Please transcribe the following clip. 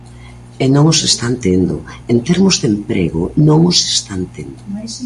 E non os están tendo, en termos de emprego non os están tendo.